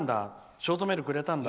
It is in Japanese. ショートメールくれたんだ。